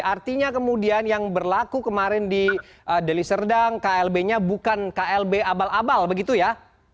artinya kemudian yang berlaku kemarin di deli serdang klb nya bukan klb abal abal begitu ya